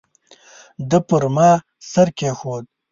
ده پر ما سر کېښود.